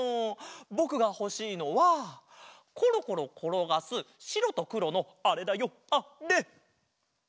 ぼくがほしいのはコロコロころがすしろとくろのあれだよあれ！